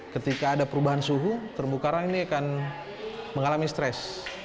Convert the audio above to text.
ketika ada perubahan suhu terumbu karang ini akan mengalami stres